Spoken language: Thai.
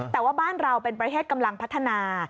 แต่ว่าบ้านเราเป็นประเทศกำลังพัฒนา